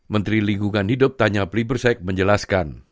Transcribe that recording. menteri lingkungan hidup tanya pribersek menjelaskan